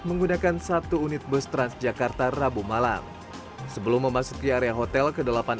menggunakan satu unit bus transjakarta rabu malam sebelum memasuki area hotel ke delapan